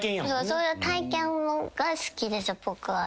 そういう体験が好きです僕は。